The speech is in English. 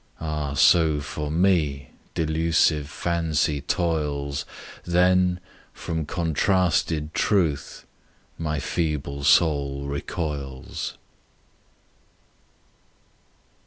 Ah! so for me delusive fancy toils, Then, from contrasted truth my feeble soul recoils.